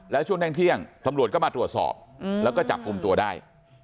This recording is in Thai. แล้วช่วงเที่ยงตำรวจก็มาตรวจสอบแล้วก็จับกลุ่มตัวได้